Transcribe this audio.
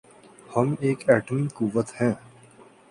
ہم ایک ایٹمی قوت ہیں۔